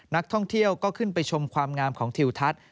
นักท่องเที่ยวก็ขึ้นไปชมความงามของทิวทัศน์